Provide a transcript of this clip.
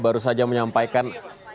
baru saja menyampaikan